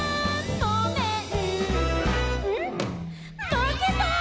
まけた」